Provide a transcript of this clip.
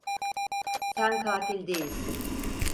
Sen katil değilsin.